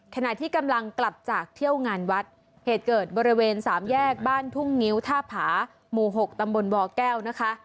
ขณะที่กำลังกลับจากเที่ยวงานวัดเหตุเกิดบริเวณสามแยกบ้านทุ่งงิ้วท่าผาหมู่๖ตำบลบ่อแก้วนะคะ